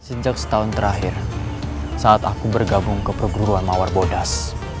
sejak setahun terakhir saat aku bergabung ke perguruan mawar bodas